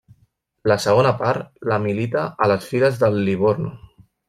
La segona part la milita a les files del Livorno.